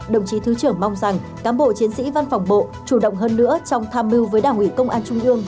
đồng chí thứ trưởng mong rằng cán bộ chiến sĩ văn phòng bộ chủ động hơn nữa trong tham mưu với đảng ủy công an trung ương